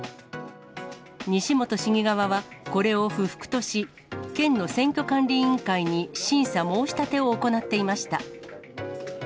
西本市議側は、これを不服とし、県の選挙管理委員会に審査申し立てを行っていました。